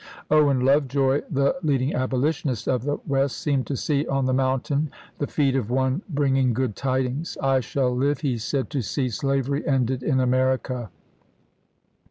Owen Love joy, the lead ing abolitionist of the West, seemed to see on the mountain the feet of one bringing good tidings. u I shall live," he said, " to see slavery ended in America."